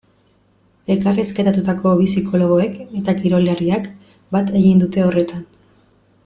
Elkarrizketatutako bi psikologoek eta kirolariak bat egiten dute horretan.